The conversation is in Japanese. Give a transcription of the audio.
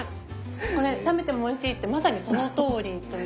これ冷めてもおいしいってまさにそのとおりという感じですね。